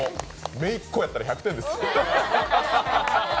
めいっ子やったら１００点です。